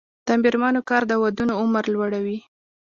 د میرمنو کار د ودونو عمر لوړوي.